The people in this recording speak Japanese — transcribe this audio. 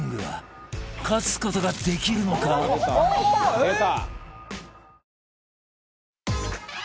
「出た！」